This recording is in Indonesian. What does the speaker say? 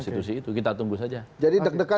institusi itu kita tunggu saja jadi deg degan